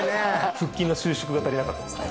腹筋の収縮が足りなかったですね。